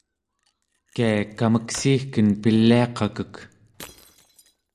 kia kameksiigken piliaqakek?